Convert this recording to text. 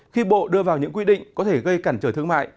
khi bộ đưa vào những quy định có thể gây cản trở thương mại